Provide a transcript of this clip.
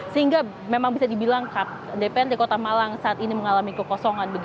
sehingga memang bisa dibilang dprd kota malang saat ini mengalami kekosongan